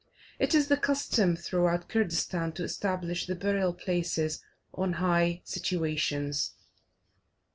It is the custom throughout Kurdistan to establish the burial places on high situations.